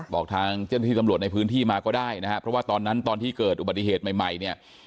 บอกทางเจ้าหน้าที่ตำรวจในพื้นที่มาก็ได้นะครับเพราะว่าตอนนั้นตอนที่เกิดอุบัติเหตุใหม่เนี่ย